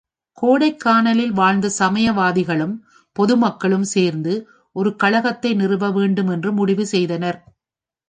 கோடைக்கானலில் வாழ்ந்த சமய வாதிகளும், பொதுமக்களும் சேர்ந்து ஒரு கழகத்தை நிறுவ வேண்டும் என்று முடிவு செய்தனர்.